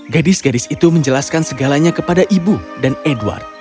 gadis gadis itu menjelaskan segalanya kepada ibu dan edward